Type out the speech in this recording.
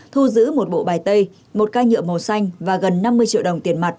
thu giữ một bộ bài tay một ca nhựa màu xanh và gần năm mươi triệu đồng tiền mặt